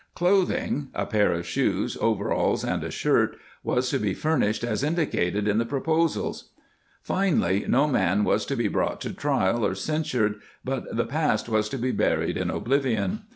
Clothing — a pair of shoes, overalls, and a shirt — was to be furnished as indicated in the proposals. Finally, no man was to be brought to trial or censured, but the past was to be buried in oblivion.